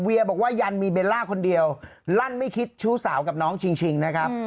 บอกว่ายันมีเบลล่าคนเดียวลั่นไม่คิดชู้สาวกับน้องชิงนะครับ